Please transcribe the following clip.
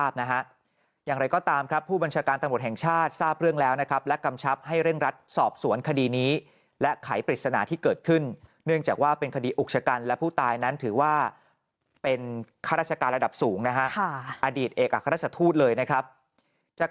เป็นข้าราชการระดับสูงนะคะอดีตเอกอาคารทรัศน์ทูธเลยนะครับจาก